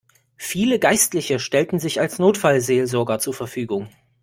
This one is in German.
Viele Geistliche stellten sich als Notfallseelsorger zur Verfügung.